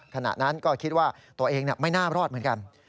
ขณะนั้นก็คิดว่าตัวเองไม่น่ารอดเหมือนกัน